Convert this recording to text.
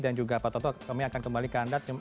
dan juga pak toto kami akan kembali ke anda